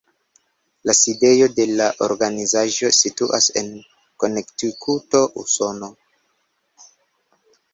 La sidejo de la organizaĵo situas en Konektikuto, Usono.